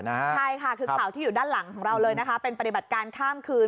ใช่ค่ะคือข่าวที่อยู่ด้านหลังเป็นปฏิบัติการข้ามคืน